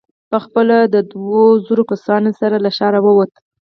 په خپله له دوو زرو کسانو سره له ښاره ووت.